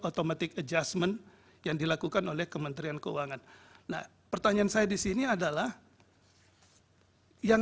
automatic adjustment yang dilakukan oleh kementerian keuangan nah pertanyaan saya disini adalah yang